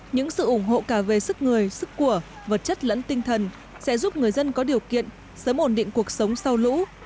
những sự ủng hộ cả về sức người sức của vật chất lẫn tinh thần sẽ giúp người dân có điều kiện sớm ổn định cuộc sống sau lũ